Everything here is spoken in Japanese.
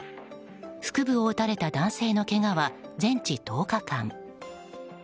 腹部を撃たれた男性のけがは全治１０日間。